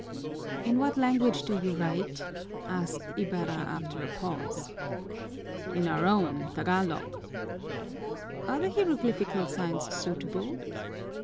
"In what language do you write?" asked Ibarra after a pause. "In our own, Tagalog." "Are the hieroglyphical signs suitable?"